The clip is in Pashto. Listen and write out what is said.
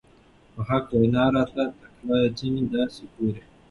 په حق وېنا راته تکله ځينې داسې ګوري